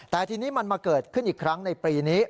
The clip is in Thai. แต่ทีนี้มันมาเกิดขึ้นอีกครั้งในปีนี้